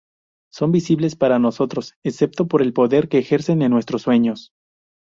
Son invisibles para nosotros excepto por el poder que ejercen en nuestros sueños.